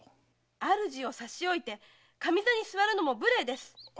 主を差し置いて上座に座るのも無礼です！